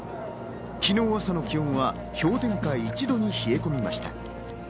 昨日、朝の気温は氷点下１度に冷え込みました。